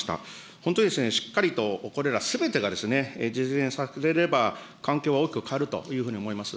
本当にしっかりとこれらすべてが実現されれば、環境は大きく変わるというふうに思います。